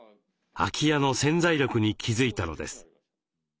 空き家の潜在力に気付いたのです。